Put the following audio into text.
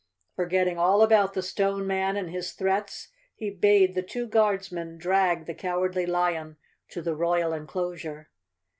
Forgetting all about the Stone Man and his threats, he bade the two Guardsmen drag the Cow¬ ardly Lion to the royal enclosure.